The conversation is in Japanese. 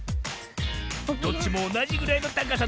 どっちもおなじぐらいのたかさだ。